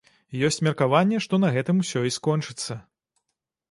Ёсць меркаванне, што на гэтым усё і скончыцца.